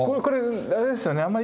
これあれですよね。